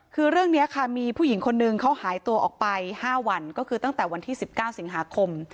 คือเรื่องนี้ค่ะมีผู้หญิงคนนึงเขาหายตัวออกไป๕วันก็คือตั้งแต่วันที่๑๙สิงหาคม